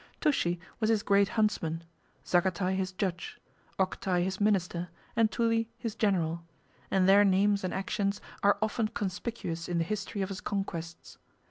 Toushi was his great huntsman, Zagatai 21 his judge, Octai his minister, and Tuli his general; and their names and actions are often conspicuous in the history of his conquests.